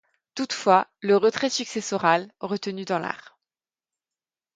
Toutefois, le retrait successoral, retenu dans l'art.